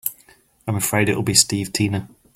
I'm afraid it'll be Steve Tina.